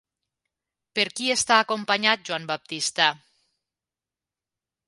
Per qui està acompanyat Joan Baptista?